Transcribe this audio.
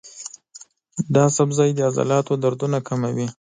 دا سبزی د عضلاتو دردونه کموي.